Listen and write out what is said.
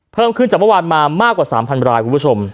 เพิ่มขึ้นจังวะวานมามากกว่า๓๐๐๐เปิดคุณผู้ชม